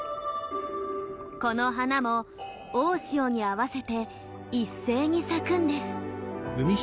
この花も大潮に合わせて一斉に咲くんです。